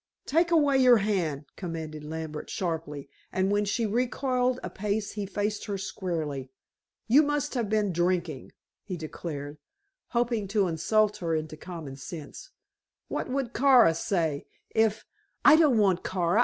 "Take away your hand," commanded Lambert sharply, and when she recoiled a pace he faced her squarely. "You must have been drinking," he declared, hoping to insult her into common sense. "What would Kara say if " "I don't want Kara.